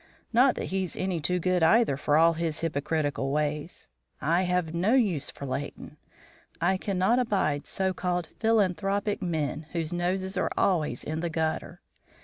Not that he's any too good either for all his hypocritical ways. I have no use for Leighton. I cannot abide so called philanthropic men whose noses are always in the gutter.